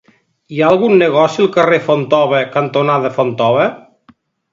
Hi ha algun negoci al carrer Fontova cantonada Fontova?